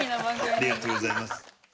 ありがとうございます。